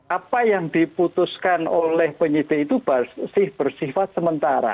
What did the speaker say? apa yang diputuskan oleh penyelidikan itu bersifat sementara